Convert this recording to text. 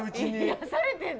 癒やされてるの？